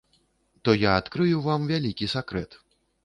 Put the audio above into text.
То я адкрыю вам вялікі сакрэт.